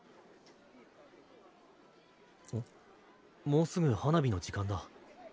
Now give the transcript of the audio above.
もうすぐ花火の時間だ。